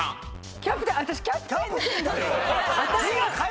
キャプテンだよ！